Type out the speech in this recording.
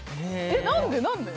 何で？